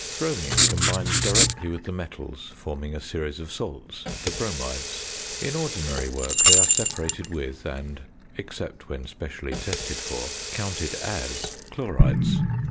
Bromine combines directly with the metals, forming a series of salts the bromides. In ordinary work they are separated with, and (except when specially tested for) counted as, chlorides.